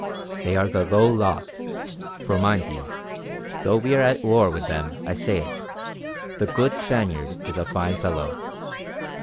They are the low lot; for mind you, though we are at war with them I say it, the good Spaniard is a fine fellow.